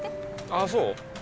ああそう？